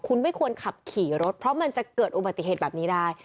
คุณไม่ควรขับขี่รถเพราะมันจะเกิดอุบัติเหตุแบบนี้ได้